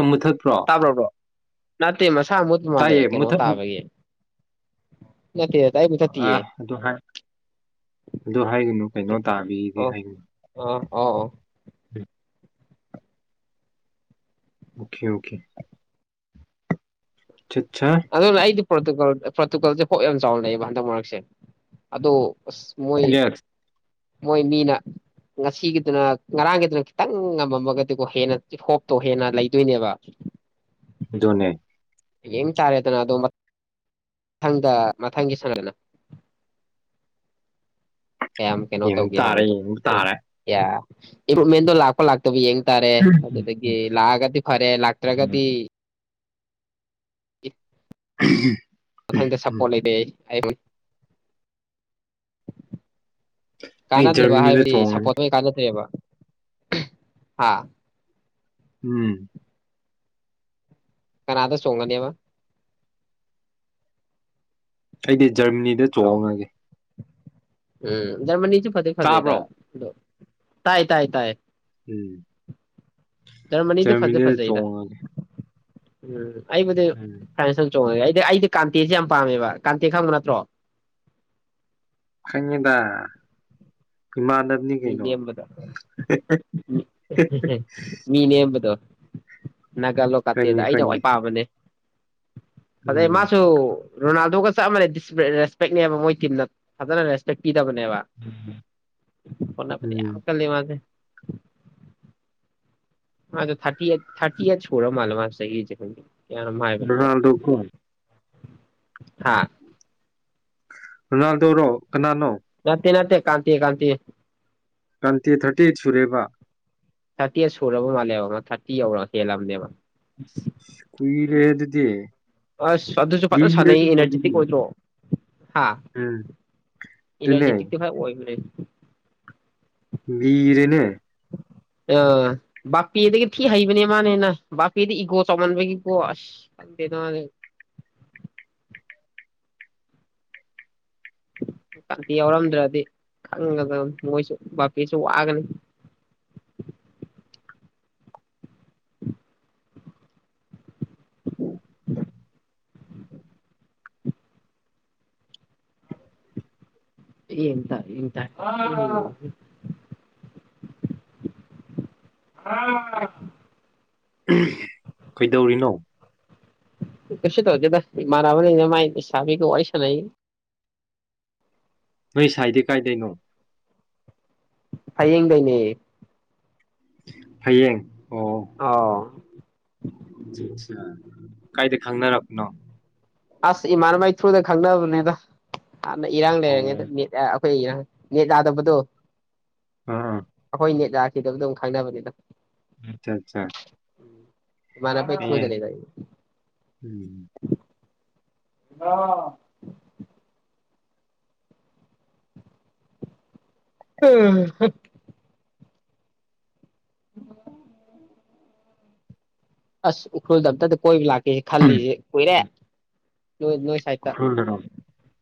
ꯎꯝꯃꯨꯊꯠꯄ꯭ꯔꯣ ꯇꯥꯕ꯭ꯔꯕ꯭ꯔꯣ ꯅꯠꯇꯦ ꯃꯁꯤ ꯇꯥꯏꯌꯦ ꯃꯨꯊꯠꯅꯨ ꯅꯠꯇꯦ ꯅꯠꯇꯦ ꯑꯩ ꯃꯨꯊꯠꯇꯤꯌꯦ ꯑꯥ ꯑꯗꯨ ꯍꯥꯏ ꯑꯗꯨ ꯍꯥꯏꯒꯅꯨ ꯑꯣꯀꯦ ꯀꯩꯅꯣ ꯇꯥꯕꯤꯗꯤ ꯑꯣ ꯍꯥꯏꯒꯅꯨ ꯑꯥ ꯑꯣ ꯎꯝ [inaudible] ꯑꯣꯈꯦ ꯑꯣꯈꯦ ꯆꯥ ꯑꯗꯨꯅ ꯑꯩꯗꯤ ꯄꯣꯔꯇꯨꯒꯜ ꯄꯣꯔꯇꯨꯒꯜꯖꯦ ꯍꯣꯞ ꯌꯥꯝ ꯆꯥꯎꯅ ꯂꯩꯕ ꯍꯟꯗꯛ ꯃꯔꯛꯁꯦ ꯑꯗꯨ ꯁ ꯃꯣꯏ ꯌꯦꯁ ꯃꯣꯏ ꯃꯤꯅ ꯉꯁꯤꯒꯤꯗꯨꯅ ꯉꯔꯥꯡꯒꯤꯗꯨꯅ ꯈꯤꯇꯪ ꯉꯝꯃꯝꯃꯒꯗꯤꯀꯣ ꯍꯦꯟꯅ ꯆꯤꯞ ꯍꯣꯞꯇꯣ ꯍꯦꯟꯅ ꯂꯩꯗꯣꯏꯅꯦꯕ ꯑꯗꯨꯅꯦ ꯌꯦꯡ ꯇꯥꯔꯦꯗꯅ ꯑꯗꯣ ꯃꯠ ꯊꯪꯗ ꯃꯊꯪꯒꯤ ꯁꯥꯟꯅꯔꯦꯅ ꯀꯌꯥꯝ ꯀꯩꯅꯣ ꯌꯦꯡꯕ ꯇꯧꯒꯦ ꯇꯥꯔꯦ ꯍꯥꯕꯗꯣ ꯌꯦꯡꯕ ꯑꯩ ꯇꯥꯔꯦ ꯀꯌꯥ ꯏꯝꯄꯔꯨꯞꯃꯦꯟꯗꯣ ꯂꯥꯛꯄ ꯂꯥꯛ ꯇꯕꯨ ꯌꯦꯡ ꯇꯥꯔꯦ ꯑꯗꯨꯗꯒꯤ ꯂꯥꯛꯑꯒꯗꯤ ꯐꯔꯦ ꯂꯥꯛꯇ꯭ꯔꯒꯗꯤ [inaudible] ꯈꯪꯗꯦ ꯎꯝ ꯁꯄꯣꯔꯠ ꯂꯩꯇꯦ ꯑꯩ ꯍꯥꯏꯔꯣꯏ ꯑꯩ ꯀꯥꯟꯅꯗꯦꯕ ꯖꯔꯃꯅꯤꯗ ꯍꯥꯏꯕꯗꯤ ꯆꯣꯡꯉꯅꯤ ꯁꯄꯣꯠ ꯇꯧꯏ ꯀꯥꯟꯅꯗꯦꯕ ꯑꯦ ꯍꯥꯥ ꯎꯝ ꯈꯔꯗ ꯁꯣꯡꯉꯅꯤꯕ ꯁꯩꯒꯤ ꯖꯔꯃꯅꯤꯗ ꯆꯣꯡꯉꯒꯦ ꯎꯝ ꯖꯔꯃꯅꯤ ꯐꯠꯇꯦ ꯇꯥꯕ꯭ꯔꯣ ꯐꯖꯦꯩꯗꯗꯣ ꯇꯥꯏ ꯇꯥꯏ ꯇꯥꯏ ꯎꯝ ꯖꯔꯃꯅꯤꯗꯨ ꯐꯗꯤ ꯆꯃꯤꯅꯦ ꯐꯖꯩꯗ ꯇꯣꯡꯉꯒꯦ ꯎꯝ ꯑꯩꯕ ꯐ ꯣꯡꯉꯦ ꯑꯩꯗꯤ ꯑꯩꯗꯤ ꯀꯥꯟꯇꯦꯁ ꯌꯥꯝ ꯄꯥꯝꯃꯦꯕ ꯀꯥꯟꯇꯦ ꯈꯪꯕ ꯅꯠꯇ꯭ꯔꯣ ꯍꯪꯉꯤꯗ ꯃꯤꯅꯦꯕꯗꯣ ꯃꯤꯅꯦꯕꯗꯣ ꯅꯥꯒꯜꯂꯣ ꯀꯥꯇꯦꯗ ꯈꯪꯉꯤ ꯑꯩꯩꯅ ꯍꯏ ꯈꯪꯉꯤ ꯄꯥꯝꯕꯅꯦ ꯑꯗꯩ ꯎꯝ ꯃꯥꯁꯨ ꯔꯣꯅꯥꯜꯗꯣꯒ ꯆꯞꯝꯃ ꯔꯦꯁꯄꯦꯛꯅꯦꯕ ꯃꯣꯏ ꯇꯤꯝꯅ ꯐꯖꯅ ꯔꯦꯁꯄꯦꯛ ꯄꯤ ꯕꯅꯦꯕ ꯐꯣꯕꯗꯤ ꯎꯝ ꯌꯥꯝ ꯀꯜꯉ ꯑ ꯑ ꯊꯥꯔꯇꯤ ꯊꯥꯔꯇꯤ ꯌꯥ ꯁꯣꯣꯔ ꯃꯥꯜ ꯃꯥ ꯆꯩꯌꯦꯦ ꯑ ꯂꯀꯣ ꯍꯥꯥ ꯅꯗꯧꯔꯣ ꯔꯇ ꯅꯅꯥꯇꯦ ꯀꯥꯟꯇ ꯀꯥꯟꯇ ꯀ꯭ꯔꯥꯟꯇꯤ ꯊꯥꯔꯇꯤꯠ ꯁꯨꯔꯦꯕ ꯊꯥꯔꯇꯤ ꯑꯦꯠ ꯁꯨꯔꯕ ꯃꯥꯜꯂꯦꯕ ꯑꯃ ꯊꯥꯔꯇꯤ ꯌꯧꯔꯒ ꯍꯦꯜꯂꯝꯅꯦꯕ ꯀꯨꯏꯔꯦ ꯑꯗꯨꯗꯤ ꯑꯁ ꯑꯗꯨꯁꯨ ꯐꯖꯅ ꯁꯥꯟꯅꯩ ꯂꯤꯔꯗꯤ ꯑꯦꯅꯔꯖꯤꯦꯇꯤꯛ ꯐꯒꯅꯤ ꯑꯣꯏꯗ꯭ꯔꯣ ꯍꯥ ꯎꯝ ꯑꯗꯨꯅꯦ ꯑꯦꯅꯔꯖꯦꯇ ꯍꯥꯏ ꯋꯥꯕ ꯔꯦꯅꯦ ꯑꯥ ꯕꯥꯄꯦꯗꯒꯤ ꯊꯤ ꯍꯩꯕꯅꯦ ꯃꯥꯅꯦ ꯍꯦꯟꯅ ꯕꯥꯄꯦꯗ ꯏꯒꯣ ꯆꯥꯎꯃꯟꯕꯒꯤꯀꯣ ꯑꯁ ꯈꯪꯗꯦ ꯅ ꯃꯥ ꯀꯥꯟꯇꯤ ꯌꯥꯎꯔꯝꯗ꯭ꯔꯗꯤ ꯈꯪꯒꯗ ꯃꯣꯏꯁꯨ ꯕꯥꯄꯤꯁꯨ ꯋꯥꯒꯅꯤ ꯎꯝ ꯑꯦ ꯏꯟ ꯀꯩꯗꯧꯔꯤꯅꯣ ꯀꯁ ꯇꯣꯗ ꯃꯥꯔꯕꯅꯤꯥꯏ ꯁꯕꯤꯒ ꯋꯥꯏꯁꯥꯅ ꯅꯣꯏ ꯁꯥꯏꯗꯤ ꯀꯥꯏꯗꯩꯅꯣ ꯍꯌꯦꯡ ꯀꯅꯦ ꯐꯌꯦꯡ ꯑꯣ ꯑꯠꯆꯥ ꯑ ꯑꯠꯆꯥ ꯀꯥꯏꯗ ꯈꯪꯅꯔꯛꯄꯅꯣ ꯑꯁ ꯏꯃꯥꯔꯃ ꯊ꯭ꯔꯨꯗ ꯈꯪꯅꯕꯅꯦꯗ ꯏꯔꯥꯡ ꯂꯩꯔꯦ ꯑꯣ [unintelligible] ꯅꯦꯠ ꯌꯥꯥꯗꯕꯗꯣ ꯑꯥ ꯑꯩꯈꯣꯏ ꯁꯤꯈꯤꯗꯕꯗ ꯑꯃꯨꯛ ꯈꯪꯅꯕꯅꯤꯅ ꯑꯆꯥ ꯑꯆꯥ ꯏꯃꯥꯅꯕꯒꯤ ꯊꯔꯨꯗꯒꯤꯅꯤ ꯗꯥ ꯎꯝ ꯑ ꯎꯝ ꯎ ꯑꯁ ꯎꯈꯨꯔꯨꯜꯗ ꯑꯝꯇꯗꯤ ꯀꯣꯏ ꯂꯥꯛ ꯀꯦ ꯈꯜꯂꯤꯁꯦ ꯀꯨꯏꯔꯦ ꯅꯣꯏ ꯅꯣꯏ ꯁꯥꯏꯠꯇ ꯎꯈ꯭ꯔꯨꯜꯗꯔꯣ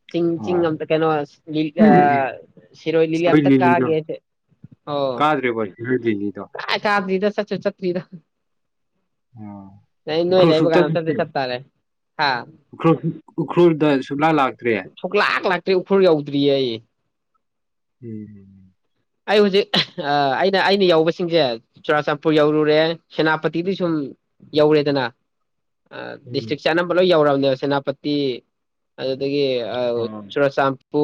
ꯆꯤꯡ ꯆꯤꯡ ꯑꯣ ꯑꯝꯇ ꯀꯩꯅꯣ ꯁꯤꯔꯣꯏ ꯂꯤꯂꯤ ꯍꯣꯏ ꯑꯝꯇ ꯂꯤꯂꯤꯗꯣ ꯀꯥꯒꯦꯁꯦ ꯑꯣ [unintelligible] [unintelligible] ꯆꯠꯇꯔꯤꯗ ꯑꯣ ꯎꯈ꯭ꯔꯨꯜ ꯀꯥꯟꯗ ꯁꯨꯛꯇꯠ ꯑꯝꯇꯗꯤ ꯁꯦ ꯆꯠ ꯇꯥꯔꯦ ꯍꯥ ꯎꯈ꯭ꯔꯨꯜ ꯎꯈ꯭ꯔꯨꯜꯗ ꯁꯨꯛꯂꯥ ꯂꯥꯛꯇ꯭ꯔꯦ ꯑꯩ ꯎꯈꯨꯔꯂ ꯌꯎꯗ꯭ꯔꯤꯌꯦ ꯑꯩ ꯎꯝꯝ ꯑꯩ ꯍꯧꯖꯤꯛ ꯑꯩꯅ ꯑꯩꯅ ꯌꯧꯕꯁꯤꯡꯁꯦ ꯆꯨꯔꯆꯥꯟꯄꯨꯔ ꯌꯧꯔꯨꯔꯦ ꯁꯦꯅꯥꯄꯇꯤꯗꯤ ꯁꯨꯝ ꯌꯧꯔꯦꯗꯅ ꯎꯝ ꯗꯤꯁꯇ꯭ꯔꯤꯛ ꯆꯥꯝꯕ ꯂꯣꯏ ꯌꯧꯔꯕꯃꯦ ꯁꯦꯅꯥꯄꯇꯤ ꯑꯗꯨꯗꯒꯤ ꯑꯣ ꯁ ꯄ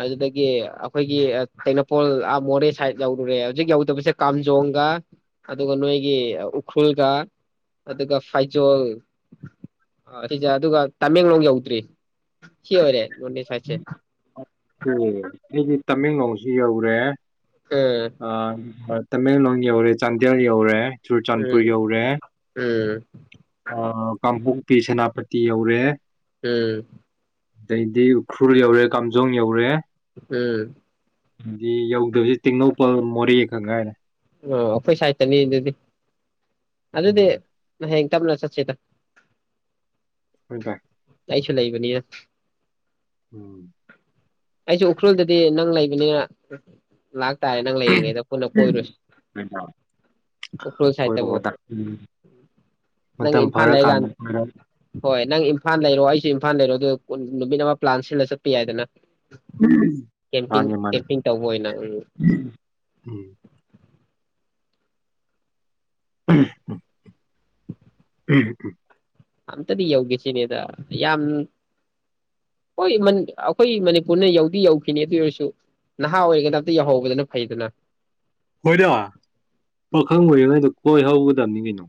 ꯑ ꯑꯩꯈꯣꯏꯒꯤ ꯏꯝꯐꯣꯜ ꯃꯣꯔꯦ ꯁꯥꯏꯠ ꯌꯧꯔꯨꯔꯦ ꯍꯧꯖꯤꯛ ꯌꯧꯗꯕꯁꯦ ꯀꯥꯝꯖꯣꯡꯒ ꯑꯗꯨꯒ ꯅꯣꯏꯒꯤ ꯎꯈ꯭ꯔꯨꯜꯒ ꯑꯗꯨꯒ ꯐꯩꯖꯣꯜ ꯁꯤꯖ ꯑꯗꯨꯒ ꯇꯥꯃꯦꯡꯂꯣꯡ ꯌꯧꯗ꯭ꯔꯤ ꯁꯤ ꯑꯣꯏꯔꯦ ꯅꯣꯅꯦ ꯁꯥꯏꯠꯁꯦ ꯍ ꯇꯃꯦꯡꯂꯣꯡꯁꯤ ꯌꯧꯔꯦ ꯎꯝ ꯑ ꯇꯃꯦꯡꯂꯣꯡ ꯌꯧꯔꯦ ꯆꯥꯟꯗꯦꯜ ꯌꯧꯔꯦ ꯆꯨꯔꯆꯥꯟꯄꯨꯔ ꯎꯝ ꯌꯧꯔꯦ ꯎꯝ ꯄꯤ ꯁꯦꯅꯥꯄꯇꯤ ꯌꯧꯔꯦ ꯎꯝ ꯑꯗꯩꯗꯤ ꯎꯈ꯭ꯔꯨꯜ ꯌꯧꯔꯦ ꯀꯥꯝꯖꯣꯡ ꯌꯧꯔꯦ ꯎꯝ ꯗꯤ ꯌꯧꯗꯁꯦ ꯇꯦꯡꯅꯧꯄꯜ ꯃꯣꯔꯦ ꯈꯪ ꯍꯥꯏꯥꯏꯔ ꯑꯣ ꯑꯩꯈꯣꯏ ꯁꯥꯏꯠꯇꯅꯤ ꯑꯗꯨꯗꯤ ꯑꯗꯨꯗꯤ ꯎꯝ ꯅꯍ ꯂ ꯆꯠꯦꯗ ꯍꯗꯥ ꯇꯥꯏ ꯆ ꯂꯩꯏꯕꯅꯤꯔ ꯎꯝ ꯑꯩꯁꯨ ꯎꯈ꯭ꯔꯨꯜꯗꯗꯤ ꯅꯪ ꯂꯩꯕꯅꯤꯅ ꯂꯥꯛꯇꯥꯔꯦ ꯅꯪ ꯂꯩꯔꯤꯉꯩꯗ ꯄꯨꯟꯅ ꯀꯣꯏꯔꯨꯁꯤ ꯁꯥꯏꯠꯇꯕꯨ ꯀꯣꯏꯔꯛꯑꯣ ꯅꯪ ꯃꯇꯝ ꯏꯝꯐꯥꯜ ꯐꯔꯀꯥꯟꯗ ꯂꯩꯔꯀꯥꯟ ꯈꯣꯏꯔ ꯍꯣꯏ ꯅꯪ ꯏꯝꯐꯥꯜ ꯂꯩꯔꯣ ꯑꯩꯁꯨ ꯏꯝꯐꯥꯜ ꯂꯩꯔꯣ ꯑꯗꯨ ꯅꯨꯃꯤꯠ ꯑꯃ ꯄ꯭ꯂꯥꯟ ꯁꯤꯅ ꯆꯠꯄ ꯌꯥꯏꯗꯅ ꯃꯥꯅꯤ ꯀꯦꯝꯄꯤꯡ ꯃꯥꯅꯤ ꯀꯦꯝꯄꯤꯡ ꯇꯧꯕ ꯑꯣꯏꯅ ꯎꯝ ꯎꯝ ꯎꯝ [unintelligible] ꯑꯝꯇꯗꯤ ꯌꯧꯈꯤꯦꯁꯤꯅꯦꯗ ꯌꯥꯝ ꯍꯣꯏ ꯑꯩꯈꯣꯏ ꯃꯅꯤꯄꯨꯔꯅ ꯌꯧꯗꯤ ꯌꯧꯈꯤꯅꯤ ꯑꯗꯨ ꯑꯣꯏꯔꯁꯨ ꯅꯍꯥ ꯑꯣꯏꯔꯤꯒꯩꯗ ꯑꯝꯇ ꯌꯧꯍꯧꯕꯗꯅ ꯐꯩꯗꯅ ꯍꯣꯏꯗ ꯄꯥꯈꯪ ꯑꯣꯏꯔꯤꯉꯩꯗꯣ ꯀꯣꯏ ꯍꯧꯒꯗꯕꯅꯤ ꯀꯩꯅꯣ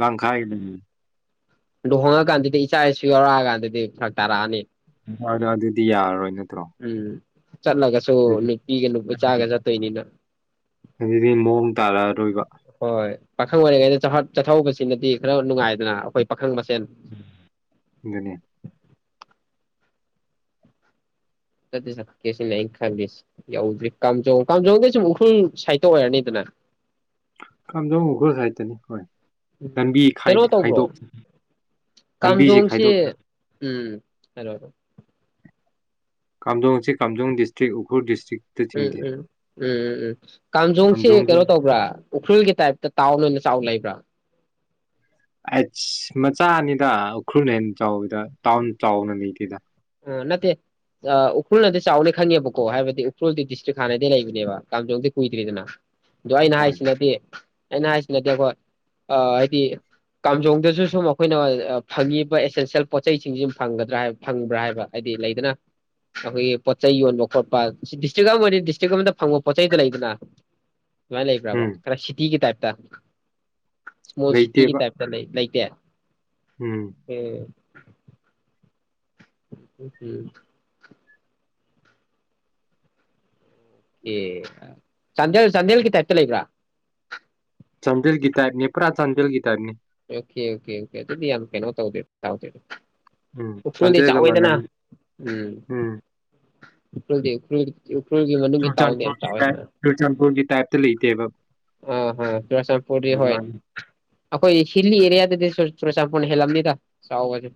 ꯂꯈꯥꯏꯅꯦ ꯑꯗꯨ ꯍꯣꯡꯉꯛꯀꯥꯟꯗꯗꯤ ꯏꯆꯥ ꯏꯁꯨ ꯌꯥꯎꯔꯛꯑꯀꯥꯟꯗꯗꯤ ꯐꯔꯛ ꯇꯥꯔꯛꯑꯅꯤ ꯎꯗ ꯑꯗꯨꯗꯤ ꯌꯥꯔꯔꯣꯏ ꯅꯠꯇ꯭ꯔꯣ ꯎꯝ ꯆꯠꯂꯒꯁꯨ ꯅꯨꯄꯤꯒ ꯅꯨꯄꯥꯆꯥꯒ ꯆꯠꯇꯣꯏꯅꯤꯅ ꯗꯤ ꯃꯣ ꯍꯣꯏ ꯄꯥꯈꯪ ꯃꯔꯦꯒ ꯆꯍꯠ ꯆꯠꯊꯍꯧꯕꯁꯤꯅꯗꯤ ꯈꯔ ꯅꯨꯡꯉꯥꯏꯗꯅ ꯑꯩꯈꯣꯏ ꯄꯥꯈꯪ ꯃꯁꯦꯟ ꯅꯤꯌꯥ ꯆꯠꯇ ꯆꯠꯀꯦꯁꯤꯅꯦ ꯑꯩꯅ ꯈꯪꯗ ꯌꯧꯗ꯭ꯔꯤ ꯀꯥꯝꯖꯣꯡ ꯀꯥꯝꯖꯣꯡꯗꯩ ꯁꯨꯝ ꯎꯈ꯭ꯔꯨꯜ ꯁꯥꯏꯠꯇ ꯑꯣꯏꯔꯅꯤꯗꯅ ꯀꯥꯝꯖꯧꯣꯡ ꯎꯈ꯭ꯔꯨꯜ ꯁꯥꯏꯠꯇꯅꯤ ꯍꯣꯏ ꯂꯝꯕꯤ ꯀꯩꯅꯣ ꯇꯧꯕ꯭ꯔꯣ ꯈꯥꯏꯗꯣꯛꯇꯅꯤ ꯂꯝꯕꯤꯁꯤ ꯈꯥꯏꯗꯣꯛꯇ꯭ꯅꯤ ꯍꯂ ꯀꯥꯖꯣꯡ ꯍꯧ ꯆ ꯀꯖꯣꯡ ꯗꯤꯁ꯭ꯔꯤꯛ ꯎꯈ꯭ꯔꯨ ꯎꯝ ꯎꯝ ꯎꯝ ꯗꯤꯁꯇ꯭ꯔꯤꯛ ꯆꯤꯡꯗꯦ ꯎꯝ ꯎꯝ ꯀꯥꯝꯖꯣꯡꯁꯦ ꯀꯥꯝꯖꯣꯡꯒꯤ ꯀꯩꯅꯣ ꯇꯧꯕ꯭ꯔꯥ ꯎꯈ꯭ꯔꯨꯜꯒꯤ ꯇꯥꯏꯞꯇ ꯇꯥꯎꯟ ꯑꯣꯏꯅ ꯆꯥꯎ ꯂꯩꯕ꯭ꯔꯥ ꯑꯩꯁ ꯃꯆꯥꯅꯤꯗ ꯎꯈ꯭ꯔꯨꯜ ꯍꯦꯟꯅ ꯆꯥꯎꯋꯗ ꯇꯥꯎꯟ ꯆꯥꯎꯅ ꯂꯩꯇꯦꯗ ꯑ ꯅꯠꯇꯦ ꯎꯈ꯭ꯔꯨꯜꯅꯗꯤ ꯆꯥꯎꯅ ꯈꯪꯉꯦꯕꯀꯣ ꯍꯥꯏꯕꯗꯤ ꯎꯈ꯭ꯔꯨꯜꯗꯤ ꯗꯤꯁꯇ꯭ꯔꯤꯛ ꯍꯥꯟꯅꯗꯤ ꯂꯩꯕꯅꯦꯕ ꯀꯥꯝꯖꯣꯡꯗꯤ ꯀꯨꯏꯗ꯭ꯔꯤꯗꯅ ꯏꯅ ꯍꯣꯏ ꯍꯥꯏꯁꯤ ꯅꯗꯤ ꯑꯩꯅ ꯍꯥꯏꯁꯤꯅꯗꯤꯦ ꯑꯩꯈꯣꯏ ꯍꯥꯏꯗꯤ ꯀꯥꯝꯖꯣꯡꯗꯁꯨ ꯁꯨꯝ ꯑꯩꯈꯣꯏꯅ ꯐꯪꯉꯤꯕ ꯑꯦꯁꯦꯟꯁꯤꯌꯦꯦꯜ ꯄꯣꯠꯆꯁꯤꯡꯁꯤ ꯁꯨꯝ ꯐꯪꯒꯗ꯭ꯔꯥ ꯍꯥꯏꯕ ꯐꯪꯕ꯭ꯔꯥ ꯍꯥꯏꯕ [unintelligible] ꯍꯥꯏꯗꯤ ꯂꯩꯗꯅ ꯑꯩꯈꯣꯏꯒꯤ ꯄꯣꯠ ꯆꯩꯩ ꯌꯣꯟꯕ ꯈꯣꯠꯄ ꯁꯤ ꯗꯤꯁꯇ꯭ꯔꯤꯛ ꯑꯃ ꯑꯣꯏꯅꯤ ꯗꯤꯁꯇ꯭ꯔꯤꯛ ꯑꯃꯗ ꯐꯪꯕ ꯄꯣꯠ ꯆꯩꯗ ꯂꯩꯗꯅ ꯁꯃꯥꯏ ꯂꯩꯕ꯭ꯔꯕꯣ ꯎꯝ ꯈꯔ ꯁꯤꯇꯤꯒꯤ ꯇꯥꯏꯞ ꯇ ꯁꯃꯣꯁꯤꯒꯤ ꯂꯩꯇꯦꯕ ꯇꯥꯏꯞꯇ ꯂꯩ ꯂꯛ ꯌꯥ ꯎꯝ ꯍꯝ ꯎ ꯎꯝ ꯑꯦ ꯆꯟꯗꯦꯜ ꯆꯟꯗꯦꯜꯦꯜ ꯇꯩ ꯆ ꯂꯩꯒ꯭ꯔꯥ ꯆꯥꯟꯗꯦꯜ ꯀꯤꯇꯥꯞꯅꯤ ꯄꯨꯔꯥ ꯆꯥꯟꯗꯦꯜ ꯀꯤꯇꯥꯥꯏꯕꯅꯤ ꯑꯣꯀꯦ ꯑꯣ ꯑꯣ ꯑꯗꯨꯗꯤ ꯌꯥꯝ ꯀꯩꯅꯣ ꯇꯧꯗ ꯊꯥꯎꯔ ꯎꯝ ꯎꯈ꯭ꯔꯨꯜꯗꯤ ꯆꯥꯟꯗꯦꯜꯒ ꯆꯥꯎꯥꯛꯑꯣꯏꯗꯅ ꯃꯥꯟꯅꯅꯤ ꯎꯝ ꯀꯔꯤꯗꯤ ꯀꯔꯤ ꯎꯈ꯭ꯔꯨꯜꯒꯤ ꯃꯅꯨꯡꯒꯤ ꯇꯥꯎꯟꯗꯤ ꯌꯥꯝ ꯆꯨꯔꯆꯥꯟꯄꯨꯔꯒꯤ ꯇꯥꯏꯞ ꯆꯥꯎꯋꯦꯗꯅ ꯆꯨꯔꯆꯥꯟꯄꯨꯔꯒꯤ ꯇꯥꯏꯞꯇ ꯂꯩꯇꯦꯕ ꯑ ꯍ ꯆꯨꯔꯆꯥꯟꯄꯨꯔꯗꯤ ꯍꯣꯏ ꯑꯩꯈꯣꯏ ꯍꯤꯂꯤ ꯑꯦꯔꯤꯌꯥꯗꯗꯤ ꯆꯨꯔ ꯆꯄꯣꯟꯅ ꯍꯦꯜꯂꯝꯅꯤꯗ ꯁꯦ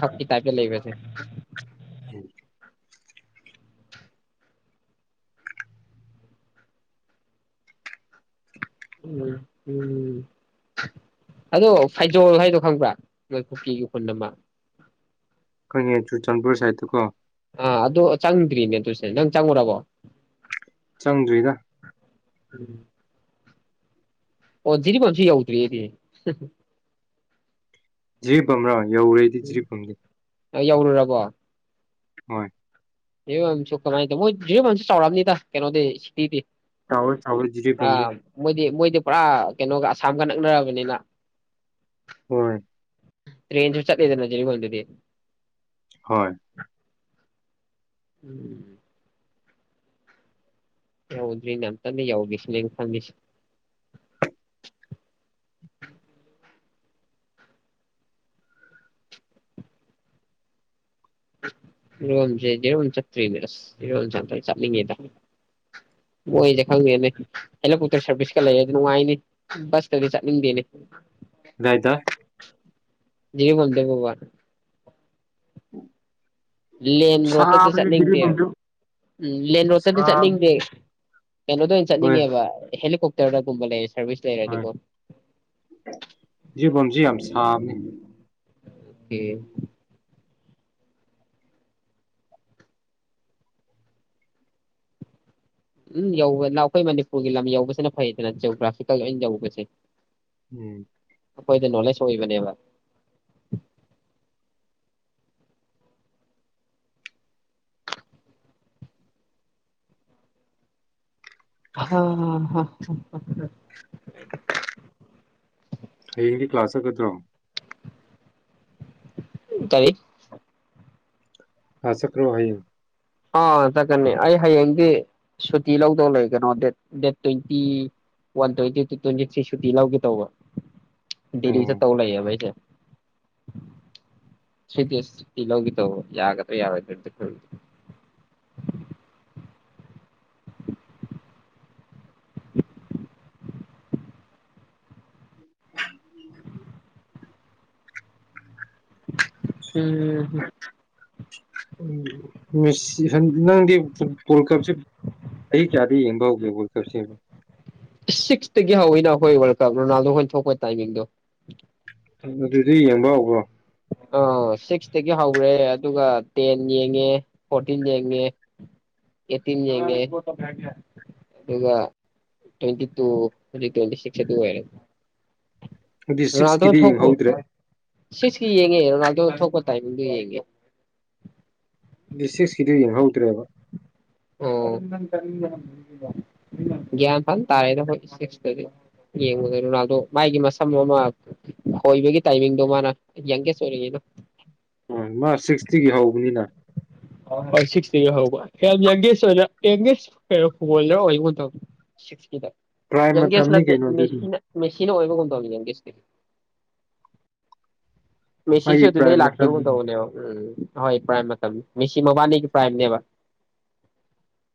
ꯁ ꯇꯦ ꯂꯩꯕꯦ ꯎꯝ ꯎꯝ ꯑꯗꯣ ꯐꯩꯖꯣꯜ ꯍꯥꯏꯗꯣ ꯈꯪꯕ꯭ꯔꯥ ꯃꯣꯏꯈꯣꯛꯀꯤ ꯎꯈꯨꯟ ꯑꯃ ꯑꯩꯪꯉꯦ ꯆꯨꯔꯆꯥꯟꯄꯨꯔ ꯁꯥꯏꯠꯇ ꯀꯣ ꯑꯥ ꯑꯗꯨꯗ ꯆꯪꯗ꯭ꯔꯤꯅꯦ ꯑꯗꯨ ꯁꯤꯅꯦ ꯅꯪ ꯆꯪꯉꯨꯔꯕꯣ ꯆꯪꯗ꯭ꯔꯤꯗ ꯎꯝ ꯑꯣꯖꯤꯗꯤ ꯄꯨꯁꯤ ꯌꯥꯎꯇꯔꯤꯗꯤ ꯖꯤ ꯝꯔꯥꯅꯤ ꯌꯧꯔꯦꯗꯤ ꯖꯤꯔꯤ ꯐꯝꯗꯤ ꯌꯧꯔꯔꯕꯣ ꯍꯣꯏ ꯑꯦ ꯌꯥꯝ ꯆ ꯀꯃꯥꯏ ꯃ ꯃꯟꯁꯦ ꯆꯥꯎꯝ ꯅ ꯊꯥ ꯀꯩꯅꯣ ꯁꯤꯊꯤꯤ ꯆꯥꯎꯋꯦ ꯆꯥꯎꯋꯦ ꯑ ꯖꯤꯔꯤꯕꯝꯗꯤ ꯃꯗꯤ ꯃ ꯄꯨꯔꯥ ꯀꯩꯅꯣꯒ ꯑꯁꯥꯝꯒ ꯅꯛꯅꯔꯕꯅꯤꯅ ꯍꯣꯏ ꯇ꯭ꯔꯦꯟꯁꯨ ꯆꯠ ꯂꯩꯗꯅꯖꯔꯤ ꯍꯣꯗꯗꯤ ꯍꯣꯏ ꯎꯝ ꯌꯥꯗꯔꯤꯅꯦ ꯇꯃꯤ ꯌꯥꯎꯒꯤꯁ ꯅ ꯊꯕꯤꯁꯤ ꯔꯣꯝꯁꯦ ꯖꯤꯔꯣꯝ ꯆꯠꯇ꯭ꯔꯤꯅꯦ ꯑꯁ ꯖꯤꯔꯣ ꯆꯠꯅꯤꯡꯉꯦꯗ ꯃꯣꯏꯁꯦ ꯈꯪꯉꯦꯅꯦ ꯍꯦꯂꯤꯀꯣꯞꯇꯔ ꯁꯥꯔꯚꯤꯁꯀ ꯂꯩ ꯅꯨꯡꯉꯥꯏꯅꯤ ꯕꯁꯇꯗꯤ ꯆꯠꯅꯤꯡꯗꯦꯅꯦ ꯂꯩꯥꯏꯗ ꯕꯣꯗ ꯒꯕꯥꯔ ꯎꯝ ꯂꯦꯟ ꯔꯣꯗꯇꯗꯤ ꯆꯠꯅꯤꯡꯗꯦ ꯎꯝ ꯂꯦꯟ ꯔꯣꯗꯇꯗꯤ ꯁꯥꯕꯅꯦ ꯆꯠꯅꯤꯡꯗꯦ ꯀꯩꯅꯣꯗꯣ ꯑꯣꯏꯅ ꯆꯠꯅꯤꯡꯉꯦꯕ ꯍꯦꯂꯤꯀꯣꯞꯇꯔ ꯀꯨꯝꯂ ꯂꯩ ꯖꯤꯔꯤꯕꯥꯝꯁꯤ ꯌꯥꯝ ꯁꯥꯕꯅꯤ꯫ ꯑꯦ ꯫ ꯎꯝ ꯌꯧꯕ ꯑꯩꯈꯣꯏ ꯃꯅꯤꯄꯨꯔꯒꯤ ꯂꯝ ꯌꯧꯕꯁꯤꯅ ꯐꯩꯌꯦꯗꯅ ꯖꯤꯑꯣꯒ꯭ꯔꯥꯐꯤꯀꯦꯜ ꯑꯣꯏꯅ ꯌꯧꯕꯁꯦ꯫ ꯎꯝ꯫ ꯑꯩꯈꯣꯏꯗ ꯅꯣꯂꯦꯖ ꯑꯣꯏꯕꯅꯦꯕ꯫ ꯍ ꯍ꯫ ꯎꯝ꯫ ꯍꯥꯏꯗ꯫ ꯍꯌꯦꯡꯗꯤ ꯀ꯭ꯂꯥꯁ ꯆꯠꯀꯗ꯭ꯔꯣ꯫ ꯀꯔꯤ꯫ ꯁꯀ꯭ꯜ ꯆꯠꯄꯔꯣ ꯍꯌꯦꯡ ꯫ ꯑꯥ ꯆꯠꯀꯅꯤ ꯑꯩ ꯍꯌꯦꯡꯗꯤ ꯁꯨꯇꯤ ꯂꯧꯗꯧ ꯂꯩ ꯀꯩꯅꯣ the date twenty one twenty two twenty three ꯁꯨꯇꯤ ꯂꯧꯒꯦ ꯇꯧꯕ꯫ ꯗꯦꯜꯂꯤ ꯑꯣ ꯆꯠꯇꯧ ꯂꯩꯥꯑꯦꯕ ꯑꯩꯁꯦ꯫ ꯊꯔ꯭ꯤ ꯗꯌꯦꯁ ꯁꯨꯇꯤ ꯂꯧꯒꯦ ꯇꯧꯕ ꯌꯥꯒꯗ꯭ꯔꯥ-ꯌꯥꯔꯣꯏꯗꯔꯥꯗꯤ ꯈꯪꯗꯦ꯫ ꯎꯝ꯫ ꯎꯝ ꯅꯪꯗꯤ ꯋꯥꯔꯜ ꯀꯞꯁꯦ ꯆꯍꯤ ꯀꯌꯥꯗ ꯌꯦꯡꯕ ꯍꯧꯒꯦ ꯋꯥꯔꯜ ꯀꯞꯁꯦ ꯌꯦꯡꯕ꯫ ꯁꯤꯛꯁꯇꯒꯤ ꯍꯧꯋꯤꯅ ꯑꯩꯈꯣꯏ ꯋꯥꯔꯜ ꯀꯞ ꯔꯣꯅꯥꯜꯗꯣ ꯍꯣꯏꯅ ꯊꯣꯛꯄ ꯇꯥꯏꯃꯤꯡꯗꯣ꯫ ꯑꯗꯨꯗꯗꯤ ꯌꯦꯡꯕ ꯍꯧꯕꯔꯣ꯫ ꯑꯥ ꯁꯤꯛꯁꯇꯒꯤ ꯍꯧꯒꯔꯦ ꯑꯗꯨꯒ ꯇꯦꯟ ꯌꯦꯡꯉꯦ ꯐꯣꯔꯇꯤꯟ ꯌꯦꯡꯉꯦ ꯑꯩꯠꯇꯤꯟ ꯌꯦꯡꯉꯦ ꯑꯗꯨꯒ ꯇ꯭ꯋꯦꯟꯇꯤ ꯇꯨ ꯑꯗꯨꯗꯩꯩ ꯇ꯭ꯋꯦꯟꯇꯤ ꯁꯤꯛꯁ ꯑꯗꯨ ꯑꯣꯏꯔꯦ꯫ ꯑꯗꯨꯗꯤ ꯁꯤꯛꯁꯀꯤꯗꯤ ꯌꯦꯡꯍꯧꯗ꯭ꯔꯦ꯫ ꯁꯤꯛꯁ ꯌꯦꯡꯉꯦ ꯔꯣꯅꯥꯂꯗꯣ ꯊꯣꯛꯄ ꯇꯥꯏꯃꯤꯡꯗꯣ ꯌꯦꯡꯉꯦ꯫ ꯁꯤꯛꯁꯀꯤꯗꯨ ꯌꯦꯡꯍꯧꯗ꯭ꯔꯦꯕ꯫ ꯑꯣ ꯒ꯭ꯌꯥꯟ ꯐ ꯇꯥꯔꯦꯅꯦ ꯑꯩꯈꯣꯏ ꯁꯤꯁꯇꯗꯤ ꯌꯦꯡꯕꯗ ꯔꯣꯅꯥꯜꯗꯣ ꯃꯥꯒꯤ ꯃꯁꯝ ꯑꯃ ꯈꯣꯏꯕꯒꯤ ꯇꯥꯏꯃꯤꯡꯗꯣ ꯃꯥꯅ ꯌꯪꯒꯦꯁ ꯑꯣꯏꯔꯤꯉꯤꯅ꯫ ꯎ ꯃꯥ ꯁꯤꯛꯁꯇꯒꯤ ꯍꯧꯕꯅꯤꯅ꯫ ꯍꯣꯏ ꯁꯤꯛꯁꯇꯒꯤ ꯍꯧꯕ ꯌꯥꯝ ꯌꯪꯒꯦꯁ ꯑꯣꯏꯅ ꯌꯪꯒꯦꯁ ꯀꯩꯅꯣ ꯐꯨꯠꯕꯣꯜꯂꯔ ꯑꯣꯏꯔꯤꯉꯤ ꯃꯇꯝ ꯁꯤꯛꯁꯀꯤꯗ꯫ ꯄ꯭ꯔꯥꯏꯝ ꯌꯪꯒꯦꯁ ꯃꯇꯝꯅꯤ ꯅꯥꯇꯦ ꯀꯩꯅꯣ ꯑꯗꯨꯗꯤ ꯃꯦꯁꯤ ꯃꯦꯁꯤ ꯑꯣꯏ꯫ ꯄꯣꯒꯨꯝ ꯇꯧꯕꯅꯤ ꯌꯥꯒꯦꯁꯇꯤ꯫ ꯃꯁꯤꯁꯨ ꯃꯥꯒꯤ ꯑꯗꯨꯗꯩ ꯄ꯭ꯔꯥꯏꯝ ꯃꯇꯝ ꯂꯛꯈꯤꯒꯨꯝ ꯇꯧꯕꯅꯦꯕ꯫ ꯍꯣꯏ ꯄ꯭ꯔꯥꯏ꯫ ꯃꯤꯁꯤ ꯃꯕꯅꯤ ꯄ꯭ꯔꯥꯏꯅꯦꯕ꯫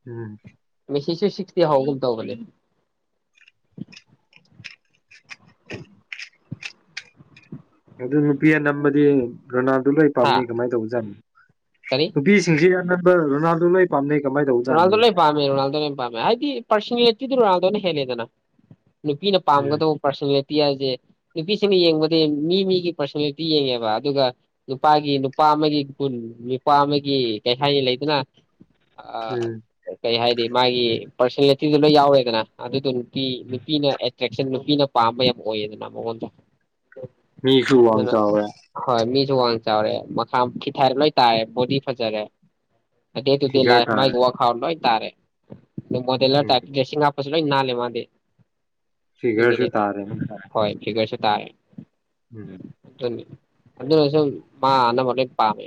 ꯎꯝ꯫ ꯃꯦꯁꯤꯁꯨ ꯁꯤꯛꯁ ꯍꯧꯒꯨꯝ ꯇꯧꯕꯅꯦ ꯫ ꯑꯗꯨ ꯅꯨꯄꯤ ꯑꯅꯝꯕꯗꯤ [inaudible] ꯔꯣꯅꯥꯜꯗꯣ ꯂꯣꯏ ꯍꯥ ꯄꯥꯝꯅꯤ ꯀꯃꯥꯏꯅ ꯇꯧꯕꯖꯥꯠꯅꯣ ꯀꯔꯤ ꯅꯨꯄꯤꯁꯤꯡꯁꯤ ꯌꯥꯝ꯫ ꯔꯣꯅꯥꯜꯗꯣ ꯂꯣꯏ ꯄꯝꯅꯩ ꯫ ꯔꯣꯅꯜꯗꯣ ꯂꯣꯏꯅ ꯄꯝꯃꯦ ꯔꯣꯅꯜꯗꯣ ꯂꯣꯏꯅ ꯄꯝꯃꯦ ꯍꯥꯏꯗꯤ꯫ ꯄꯔꯁꯅꯦꯠꯇꯤꯗꯨꯨ ꯔꯣꯅꯥꯜꯗꯣ ꯍꯦꯜꯂꯦꯗꯅ꯫ ꯅꯨꯄꯤꯅ ꯎꯝ ꯄꯥꯝꯒꯗꯕ ꯄꯔꯁꯅꯦꯠꯇꯤ ꯍꯥꯏꯁꯦ꯫ ꯅꯨꯄꯤꯁꯤꯡꯅ ꯌꯦꯡꯕꯗꯤ ꯃꯤ ꯃꯤꯒꯤ ꯄꯔꯁꯅꯦꯠꯇꯤ ꯌꯦꯡꯉꯦꯕ ꯑꯗꯨꯒ ꯅꯨꯄꯥꯒꯤ ꯅꯨꯄꯥ ꯑꯃꯒꯤ ꯒꯨꯟ ꯅꯨꯄꯥ ꯑꯃꯒꯤ ꯀꯩ ꯍꯥꯏꯅꯤ ꯂꯩꯗꯅ꯫ ꯎꯝ ꯑ ꯀꯩ ꯍꯥꯏ ꯃꯥꯒꯤ ꯄꯔꯁꯅꯦꯂꯤꯇꯤꯗꯨ ꯂꯣꯏ ꯌꯥꯎꯋꯦꯗꯅ ꯑꯗꯨꯗꯨ ꯅꯨꯄꯤ ꯅꯨꯄꯤꯅ ꯑꯦꯇ꯭ꯔꯦꯛꯁꯟ ꯅ ꯄꯥꯝꯕ ꯌꯥꯝ ꯑꯣꯏꯌꯦꯗꯅ ꯃꯉꯣꯟꯗ ꯃꯤ ꯁꯨ ꯋꯥꯝ ꯆ ꯍꯦ ꯨ ꯋꯥꯡ ꯆꯥꯎꯔꯦ ꯃꯈꯥ ꯈꯤꯊꯥꯏꯔ ꯂꯣꯏ ꯇꯥꯔꯦ ꯕꯣꯗꯤ ꯐꯖꯔꯦ ꯑꯗꯨꯗꯨꯗ ꯐꯤꯒꯔ ꯂꯥꯏ ꯃꯥꯏ ꯇꯥꯔꯦ ꯋꯥꯈꯥꯎꯠ ꯂ‌ꯣꯏꯟ ꯇꯔꯦ ꯎꯝ ꯑꯁ ꯂ‌ꯣꯟ ꯅꯥꯜꯂ‌ꯦ ꯃꯥꯗꯤ ꯐꯤꯒꯔꯁꯨ ꯇꯥꯔꯦ ꯍꯣꯏ ꯐꯤꯒꯔꯁꯨ ꯇꯥꯏ ꯎꯝ ꯑꯗꯨ ꯃꯥ ꯑꯅ ꯃꯥꯦ ꯄꯥꯝꯃꯦ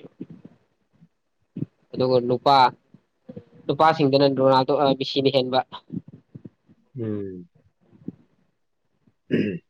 ꯑꯗꯨꯒ ꯅꯨꯄꯥ ꯅꯨꯄꯥꯁꯤꯡꯗꯨꯅ ꯔꯣꯅꯥꯜꯗꯣ ꯃꯤꯁꯤꯅ ꯍꯦꯟꯕ ꯎꯝ ꯎꯝ